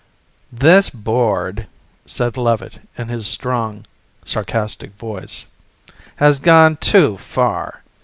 "This board," said Levitt in his strong, sarcastic voice, "has gone too far.